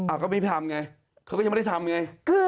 ก็ไม่ทำไงเขาก็ยังไม่ได้ทำไง